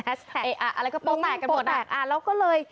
เอออะไรก็โปะแตกกันหมดอะลุงมิ่งโปะแตกแล้วก็เลย